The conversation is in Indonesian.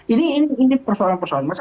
ini persoalan persoalan mas